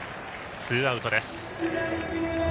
ツーアウトです。